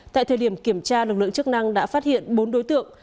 tại thời điểm kiểm tra lực lượng chức năng đã phát hiện bốn đối tượng